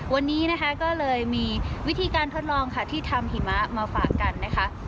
วันนี้นะคะก็เลยมีวิธีการทดลองค่ะที่ทำหิมะมาฝากกันนะคะ